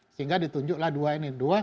sehingga ditunjuklah dua ini